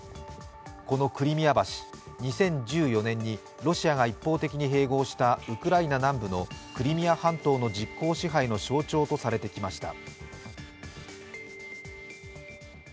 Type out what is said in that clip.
このクリミア橋、２０１４年にロシアが一方的に併合したウクライナ南部のクリミア半島の実効支配の象徴とされてきました。